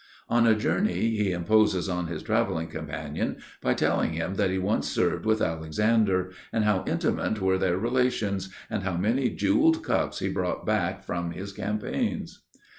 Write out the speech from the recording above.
On a journey he imposes on his travelling companion by telling him that he once served with Alexander, and how intimate were their relations, and how many jewelled cups he brought back from his campaigns.